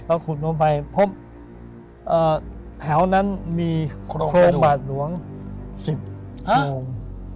เพราะขุดไปแถวนั้นมีโครงบาทหลวง๑๐โครง